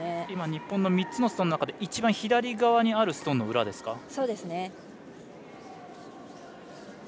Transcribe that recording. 今、日本の３つのストーンの中で一番左側にあるストーンの裏ですか。